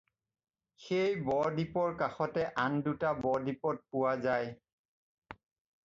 সেই ব-দ্বীপৰ কাষতে আন দুটা ব-দ্বীপত পোৱা যায়।